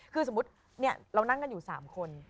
คือสมมติเนี่ยเรานั่งกันอยู่สามคน